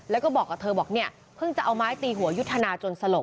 แล้วก็บอกกับเธอบอกเนี่ยเพิ่งจะเอาไม้ตีหัวยุทธนาจนสลบ